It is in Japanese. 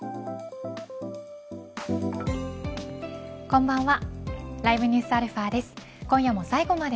こんばんは。